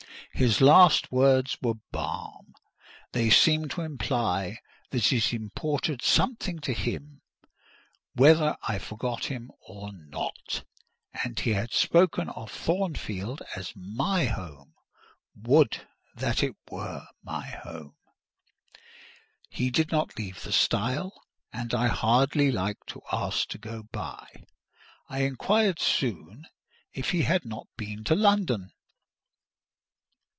His last words were balm: they seemed to imply that it imported something to him whether I forgot him or not. And he had spoken of Thornfield as my home—would that it were my home! He did not leave the stile, and I hardly liked to ask to go by. I inquired soon if he had not been to London.